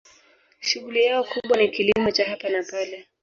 Shughuli yao kubwa ni kilimo cha hapa na pale.